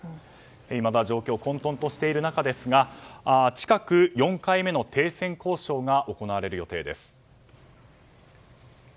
今だ状況は混とんとしている中ですが近く、４回目の停戦交渉が行われる予定です。